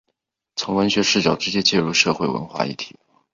用文学视角直接介入社会文化议题。